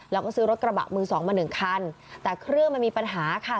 แล้วก็ซื้อรถกระบะมือสองมาหนึ่งคันแต่เครื่องมันมีปัญหาค่ะ